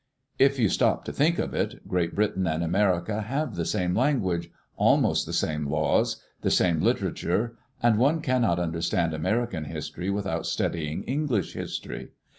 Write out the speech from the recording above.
If you stop to think of it, Great Britain and America have the same language; almost the same laws; the same literature; and one cannot understand American history without studying English history.